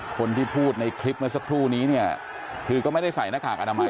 คนที่พูดในคลิปเมื่อสักครู่นี้เนี่ยคือก็ไม่ได้ใส่หน้ากากอนามัย